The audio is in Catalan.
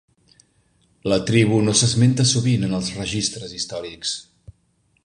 La tribu no s'esmenta sovint en els registres històrics.